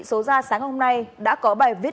số ra sáng hôm nay đã có bài viết